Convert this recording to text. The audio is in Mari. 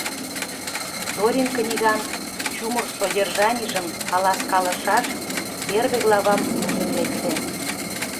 Зорин книган чумыр содержанийжым каласкалышаш первый главам лудын лекте.